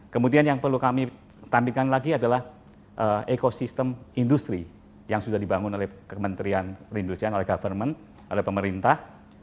kemudian yang perlu kami tandingkan lagi adalah ekosistem industri yang sudah dibangun oleh kementerian perindustrian oleh government oleh pemerintah